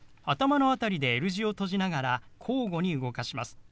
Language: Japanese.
頭の辺りでＬ字を閉じながら交互に動かします。